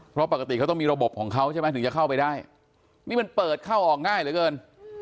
เพราะปกติเขาต้องมีระบบของเขาใช่ไหมถึงจะเข้าไปได้นี่มันเปิดเข้าออกง่ายเหลือเกิน